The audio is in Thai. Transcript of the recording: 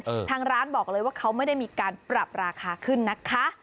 ทางร้านบอกเลยว่าเขาไม่ได้มีการปรับราคาขึ้นนะคะ